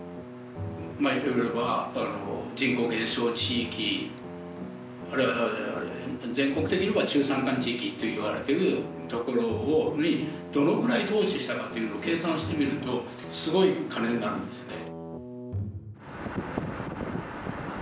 まあいってみれば人口減少地域あるいは全国的にいえば中山間地域といわれてる所にどのぐらい投資したかっていうのを計算してみるとすごい金になるんですよね